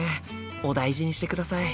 お大事にしてください。